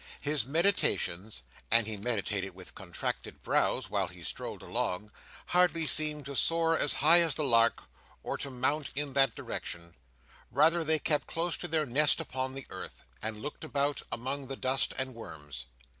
His meditations—and he meditated with contracted brows while he strolled along—hardly seemed to soar as high as the lark, or to mount in that direction; rather they kept close to their nest upon the earth, and looked about, among the dust and worms.